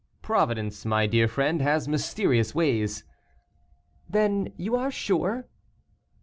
"Providence, my dear friend, has mysterious ways." "Then you are sure?"